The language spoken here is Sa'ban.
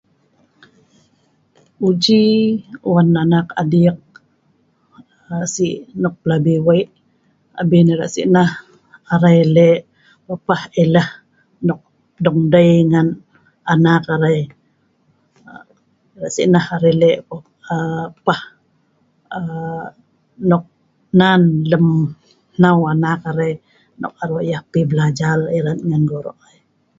Uji wan anak adiek si’ nok plabi wei abien erat si’ nah deeh arai le’ papah eleh nok dei ngan anak arai aa… erat si’ nah le’ aa… pah aa.. nok nan lem nnau anak arai nok aroq yeh.pi belajal erat ngan goroq